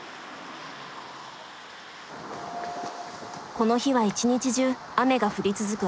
この日は一日中雨が降り続く